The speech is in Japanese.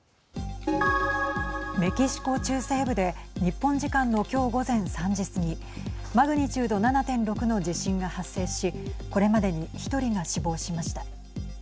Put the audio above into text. メキシコ中西部で日本時間の今日午前３時過ぎマグニチュード７．６の地震が発生しこれまでに１人が死亡しました。